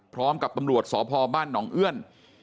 พร้อมกับตำรวจสพบ้านหนองเอื้อน